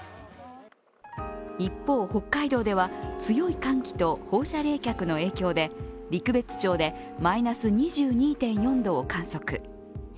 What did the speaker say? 一方、北海道では強い寒気と放射冷却の影響で陸別町でマイナス２２．４度を観測。